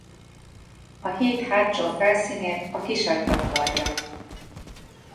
A híd hátsó felszínét a kisagy takarja.